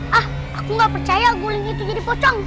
ah aku gak percaya guling itu jadi pocong